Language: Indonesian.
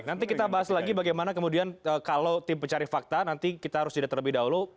nanti kita bahas lagi bagaimana kemudian kalau tim pencari fakta nanti kita harus jeda terlebih dahulu